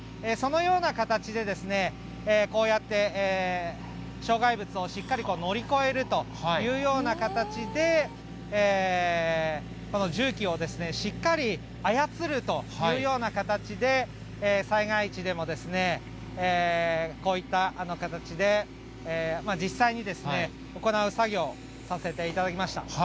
そのような形で、こうやって障害物をしっかり乗り越えるというような形で、この重機をしっかり操るというような形で、災害時でもこういった形で実際に行う作業させていただきました。